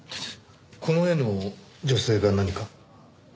この絵の女性が何か？